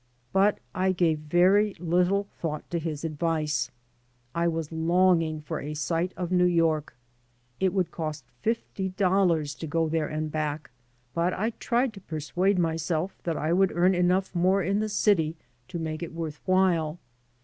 But I gave very little thought to his advice. I was longing for a sight of New York. It would cost fifty dollars to go there and back, but I tried to persuade myself that I woidd earn enough more in the city to make it worth while.